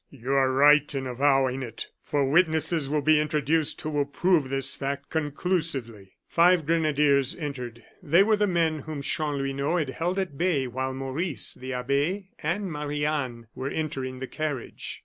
"You are right in avowing it, for witnesses will be introduced who will prove this fact conclusively." Five grenadiers entered; they were the men whom Chanlouineau had held at bay while Maurice, the abbe, and Marie Anne were entering the carriage.